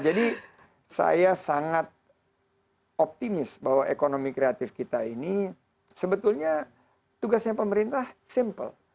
jadi saya sangat optimis bahwa ekonomi kreatif kita ini sebetulnya tugasnya pemerintah simple